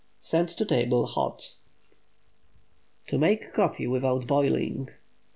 Send to table hot. TO MAKE COFFEE WITHOUT BOILING.